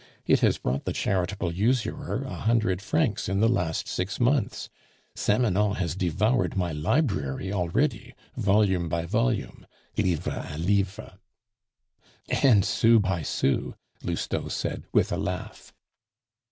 It has brought the charitable usurer a hundred francs in the last six months. Samanon has devoured my library already, volume by volume" (livre a livre). "And sou by sou," Lousteau said with a laugh.